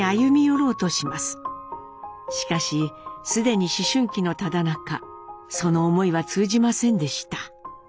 しかし既に思春期のただなかその思いは通じませんでした。